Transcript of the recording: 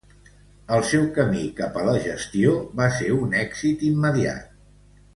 El seu camí cap a la gestió va ser un èxit immediat.